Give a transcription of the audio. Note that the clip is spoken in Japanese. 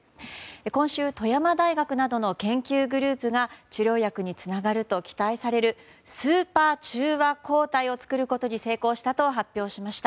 今週、富山大学などの研究グループが治療薬につながると期待されるスーパー中和抗体を作ることに成功したと発表しました。